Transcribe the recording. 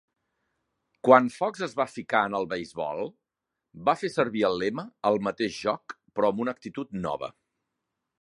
Quan Fox es va ficar en el beisbol, va fer servir el lema "El mateix joc, però amb una actitud nova".